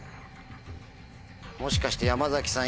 もしかして山さん